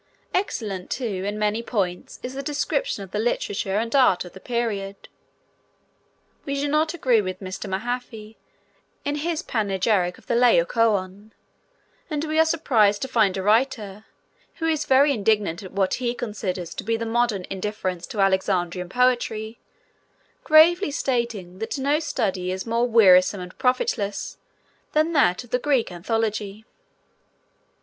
Excellent, too, in many points is the description of the literature and art of the period. We do not agree with Mr. Mahaffy in his panegyric of the Laocoon, and we are surprised to find a writer, who is very indignant at what he considers to be the modern indifference to Alexandrine poetry, gravely stating that no study is 'more wearisome and profitless' than that of the Greek Anthology.